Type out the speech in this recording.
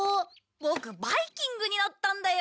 ボクバイキングになったんだよ。